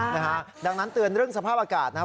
นะฮะดังนั้นเตือนเรื่องสภาพอากาศนะครับ